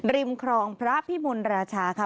ริมครองพระพิมลราชา